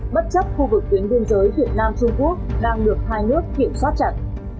bất chấp khu vực tuyến biên giới việt nam trung quốc đang được hai nước kiểm soát chặt